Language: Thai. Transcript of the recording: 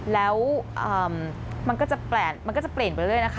แล้วมันก็จะเปลี่ยนไปเรื่อยนะคะ